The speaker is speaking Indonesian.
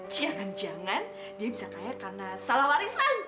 jangan jangan dia bisa kaya karena salah warisan